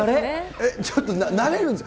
ちょっと、慣れるんですよ。